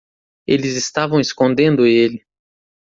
Eles estavam escondendo ele.